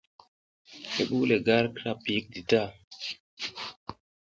I ɓuw le gar kira piyik di ta.